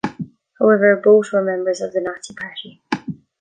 However, both were members of the Nazi party.